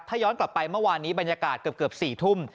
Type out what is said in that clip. ถ้าย้อนกลับไปเมื่อวานนี้บรรยากาศเกือบ๔ทุ่ม